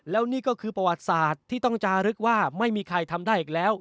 แล้วนี่ก็คือประวัติศาสตร์ที่ต้องจารึกว่าไม่มีใครทำได้อีกแล้ว